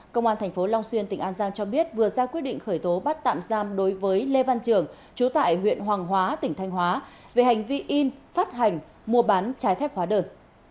công an tp long xuyên tỉnh an giang cho biết vừa ra quyết định khởi tố bắt tạm giam đối với lê văn trường chú tại huyện hoàng hóa tỉnh thanh hóa về hành vi in phát hành mua bán trái phép hóa đơn